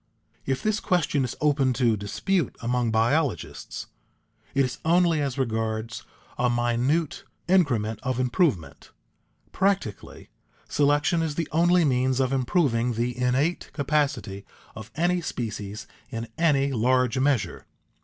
If this question is open to dispute among biologists, it is only as regards a minute increment of improvement. Practically, selection is the only means of improving the innate capacity of any species in any large measure.